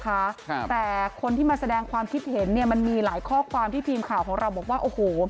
ครับแต่คนที่มาแสดงความคิดเห็นเนี้ยมันมีหลายข้อความที่ทีมข่าวของเราบอกว่าโอ้โห